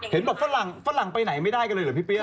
เห็นแบบฝรั่งฝรั่งไปไหนไม่ได้เลยหรอพี่เปรี้ยว